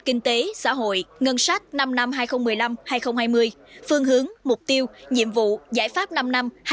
kinh tế xã hội ngân sách năm năm hai nghìn một mươi năm hai nghìn hai mươi phương hướng mục tiêu nhiệm vụ giải pháp năm năm hai nghìn hai mươi một hai nghìn hai mươi